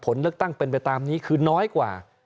ผลเลือกตั้งเป็นไปตามนี้คือน้อยกว่า